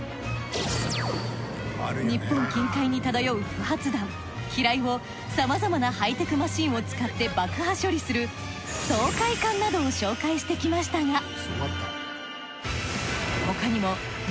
日本近海に漂う不発弾機雷をさまざまなハイテクマシンを使って爆破処理する掃海艦などを紹介してきましたが。